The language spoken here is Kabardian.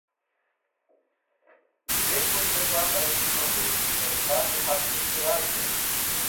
ЗекӀуэ здэкӀуам, Ӏэрыубыд мэхъури, Кърым хъаным и хьэпсыжьым ирадзэ.